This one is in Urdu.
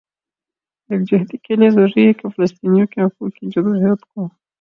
یکجہتی کےلئے ضروری ہے کہ فلسطینیوں کے حقوق کی جدوجہد کو